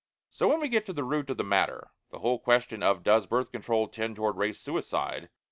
So, when we get to the root of the matter, the whole question of "Does Birth Control tend toward Race Suicide?"